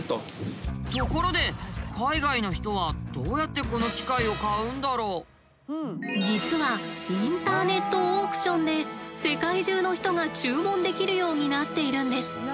ところで実はインターネットオークションで世界中の人が注文できるようになっているんです。